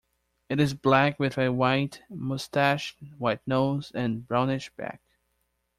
It is black with a white moustache, white nose, and brownish back.